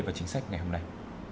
và chính sách ngày hôm nay